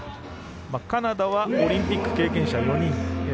カナダはオリンピック経験者４人。